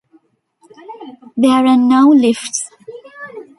There are no lifts.